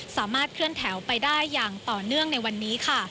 สามารถเคลื่อนแถวไปได้อย่างต่อเนื่องในวันนี้ค่ะ